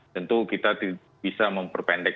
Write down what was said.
tentu kita bisa memperpendek